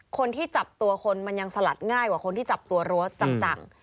คนที่จับตัวคนมันยังสลัดง่ายกว่าคนที่จับตัวรั้วจัง